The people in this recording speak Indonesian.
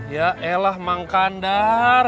ya elah mang kandar